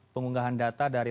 pengunggahan data dari